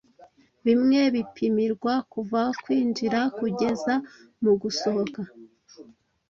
bimwe bipimirwa kuva kwinjira kugeza mu gusohoka